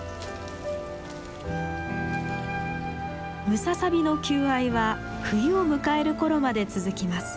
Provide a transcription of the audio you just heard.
ムササビの求愛は冬を迎える頃まで続きます。